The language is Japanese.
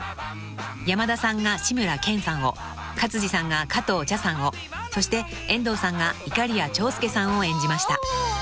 ［山田さんが志村けんさんを勝地さんが加藤茶さんをそして遠藤さんがいかりや長介さんを演じました］